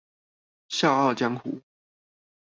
笑傲江湖